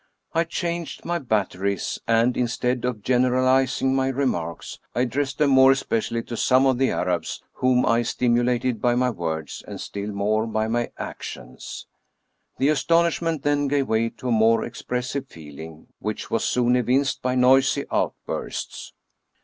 I changed my batteries, and, instead of generalizing my remarks, I addressed them more especially to some of the Arabs, whom I stimulated by my words, and still more by my actions. The astonishment then gave way to a more expressive feeling, which was soon evinced by noisy out bursts.